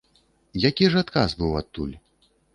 Які ж адказ быў адтуль?